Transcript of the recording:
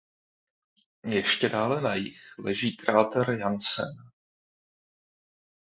Ještě dále na jih leží kráter Jansen.